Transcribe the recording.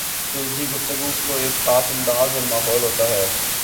سلجھی گفتگو کا ایک خاص انداز اور ماحول ہوتا ہے۔